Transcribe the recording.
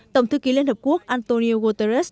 tổng thư ký liên hợp quốc antonio guterres